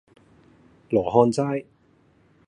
羅漢齋